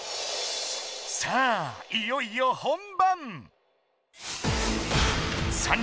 さあいよいよ本番！